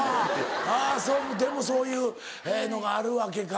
あぁそうでもそういうのがあるわけか。